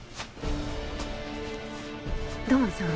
土門さん